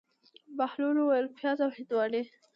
بهلول وویل: پیاز او هندواڼې.